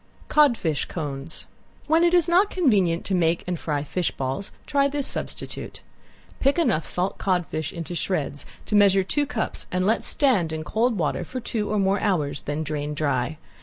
~CODFISH CONES~ When it is not convenient to make and fry fish balls try this substitute. Pick enough salt codfish into shreds to measure two cups and let stand in cold water for two or more hours, then drain dry.